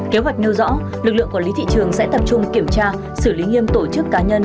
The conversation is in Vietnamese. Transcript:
kế hoạch nêu rõ lực lượng quản lý thị trường sẽ tập trung kiểm tra xử lý nghiêm tổ chức cá nhân